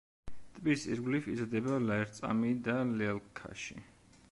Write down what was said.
ტბის ირგვლივ იზრდება ლერწამი და ლელქაში.